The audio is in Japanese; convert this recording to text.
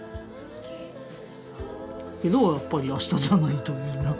けどやっぱり明日じゃないといいな。